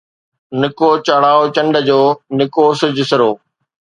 نڪو چاڙهائو چنڊ جو، نڪو سـِـج سرو